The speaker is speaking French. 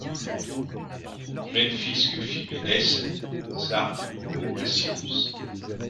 Memphis que fit Menès, Sarde où régna Cyrus